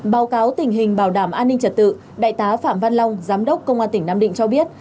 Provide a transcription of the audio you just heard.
báo cáo tình hình bảo đảm an ninh trật tự đại tá phạm văn long giám đốc công an tỉnh nam định cho biết